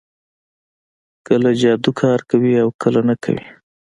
کله جادو کار کوي او کله نه کوي